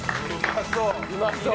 うまそう！